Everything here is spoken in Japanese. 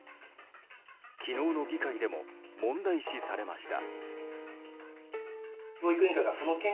昨日の議会でも問題視されました。